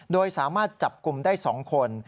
โดยสามารถจับกลุ่มได้๒คน